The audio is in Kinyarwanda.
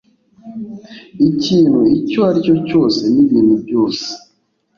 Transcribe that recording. ikintu icyo aricyo cyose nibintu byose